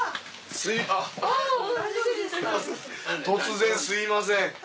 突然すみません。